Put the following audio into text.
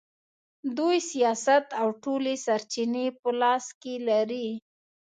دوی سیاست او ټولې سرچینې په لاس کې لري.